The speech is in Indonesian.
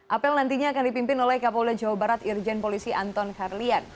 apel nantinya akan dipimpin oleh kapolda jawa barat irjen polisi anton karlian